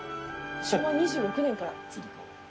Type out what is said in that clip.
昭和２６年から。